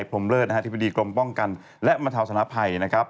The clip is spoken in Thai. พรมเลิศธิบดีกรมป้องกันและบรรเทาสนภัยนะครับ